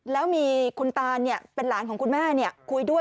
แล้วมีคุณตานเป็นหลานของคุณแม่คุยด้วย